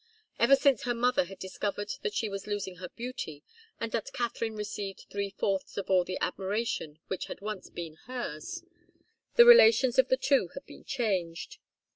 Ever since her mother had discovered that she was losing her beauty and that Katharine received three fourths of all the admiration which had once been hers, the relations of the two had been changed.